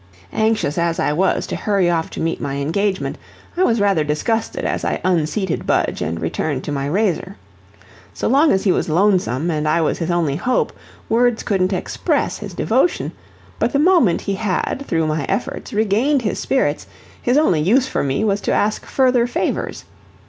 Anxious as I was to hurry off to meet my engagement, I was rather disgusted as I unseated Budge and returned to my razor. So long as he was lonesome and I was his only hope, words couldn't express his devotion, but the moment he had, through my efforts, regained his spirits, his only use for me was to ask further favors.